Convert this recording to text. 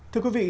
thưa quý vị